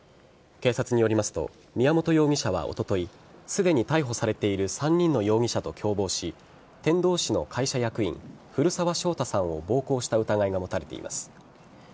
警察によりますと宮本容疑者はおとといすでに逮捕されている３人の容疑者と共謀し天童市の会社役員古澤将太さんを暴行した疑いが持たれています。